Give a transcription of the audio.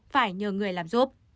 phải nhờ người làm giúp